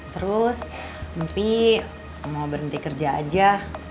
terus mimpi mau berhenti kerja aja